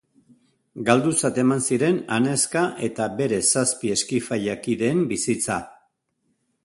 Galdutzat eman ziren anezka eta bere zazpi eskifaia kideen bizitza.